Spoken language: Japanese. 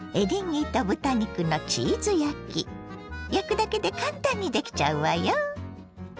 焼くだけで簡単にできちゃうわよ。